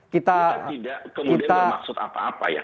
kita tidak kemudian bermaksud apa apa ya